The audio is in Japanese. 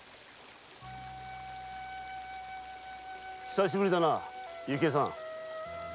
久しぶりだな雪江さん。